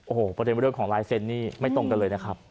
โอ้โหประเด็นเรื่องของลายเซ็นต์นี่ไม่ตรงกันเลยนะครับ